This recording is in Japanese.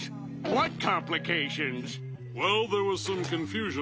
わっ！